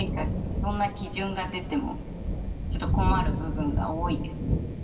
そんな基準が出ても、ちょっと困る部分が多いですね。